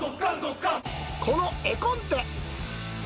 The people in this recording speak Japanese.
この絵コンテ。